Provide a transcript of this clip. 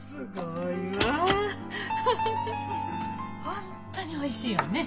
本当においしいわね！